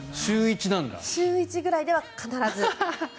週１ぐらいでは必ず。